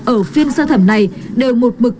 ở phiên sơ thẩm này đều một bực